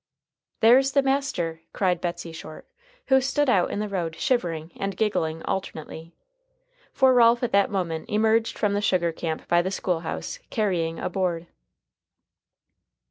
"There's the master," cried Betsey Short, who stood out in the road shivering and giggling alternately. For Ralph at that moment emerged from the sugar camp by the school house, carrying a board.